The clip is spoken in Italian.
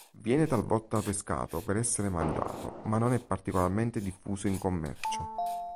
Viene talvolta pescato per essere mangiato ma non è particolarmente diffuso in commercio.